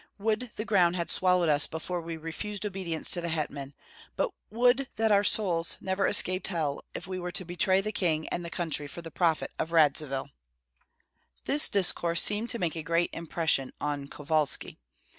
Would the ground had swallowed us before we refused obedience to the hetman; but would that our souls never escaped hell, if we were to betray the king and the country for the profit of Radzivill!" This discourse seemed to make a great impression on Kovalski.